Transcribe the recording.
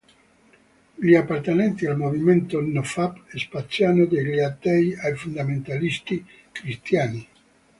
Gli appartenenti al movimento Nofap spaziano dagli atei ai fondamentalisti Cristiani.